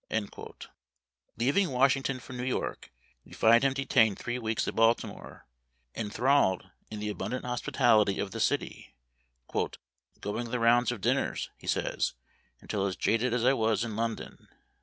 Leaving Washington for New York, we find him detained three weeks at Baltimore, en thralled in the abundant hospitality of the city, " going the round of dinners," he says, " until as jaded as I was in London.